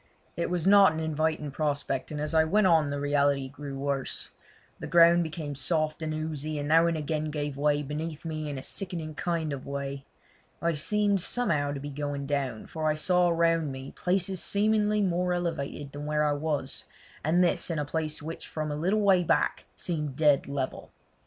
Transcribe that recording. It was not an inviting prospect, and as I went on the reality grew worse. The ground became soft and oozy, and now and again gave way beneath me in a sickening kind of way. I seemed somehow to be going down, for I saw round me places seemingly more elevated than where I was, and this in a place which from a little way back seemed dead level.